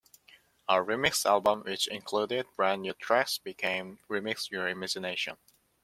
A "remix" album, which included brand new tracks, became "Remix Your Imagination".